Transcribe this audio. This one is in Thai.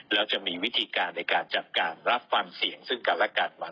แล้วจะมีวิธีการในการจัดการรับฟังเสียงซึ่งกันและกันมา